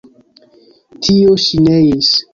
Tio ŝi neis.